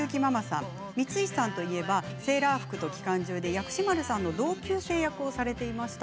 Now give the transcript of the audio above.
光石さんといえば「セーラー服と機関銃」で薬師丸さんと同級生役をされていました。